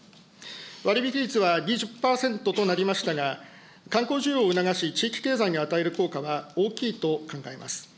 割引率は２０％となりましたが、観光需要を促し、地域経済に与える効果は、大きいと考えます。